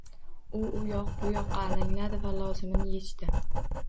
U u yoq-bu yoqqa alangladi-da, lozimini yechdi.